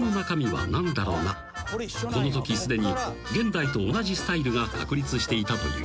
［このときすでに現代と同じスタイルが確立していたという］